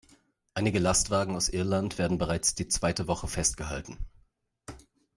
Einige Lastwagen aus Irland werden bereits die zweite Woche festgehalten.